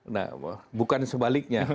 nah bukan sebaliknya